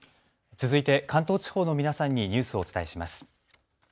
続いて関東地方の皆さんにニュースをお伝えします。